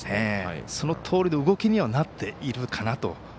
そのとおりの動きになっているかなと。